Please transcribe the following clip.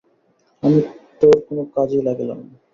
আমি তোর কোনো কাজেই লাগিলাম না।